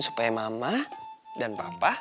supaya mama dan papa